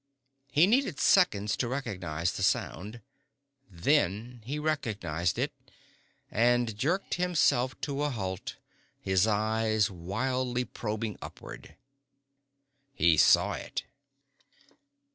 He needed seconds to recognize the sound. Then he recognized it. And jerked himself to a halt, his eyes wildly probing upward. He saw it.